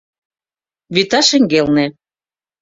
Вӱта шеҥгелне.